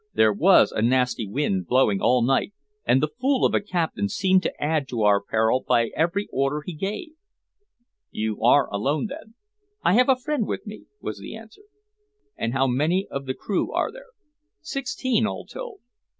"There was a nasty wind blowing all night, and the fool of a captain seemed to add to our peril by every order he gave." "You are alone, then?" "I have a friend with me," was the answer. "And how many of the crew are there?" "Sixteen, all told."